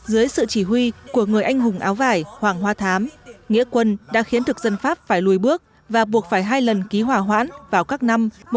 dưới sự chỉ huy của người anh hùng áo vải hoàng hoa thám nghĩa quân đã khiến thực dân pháp phải lùi bước và buộc phải hai lần ký hỏa hoãn vào các năm một nghìn tám trăm chín mươi bốn và một nghìn chín trăm linh một